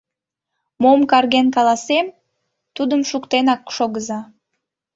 Мом карген каласем, тудым шуктенак шогыза.